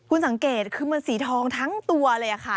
คุณสังเกตคือมันสีทองทั้งตัวเลยค่ะ